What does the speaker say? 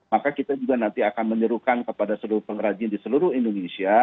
maka kita juga nanti akan menyerukan kepada seluruh pengrajin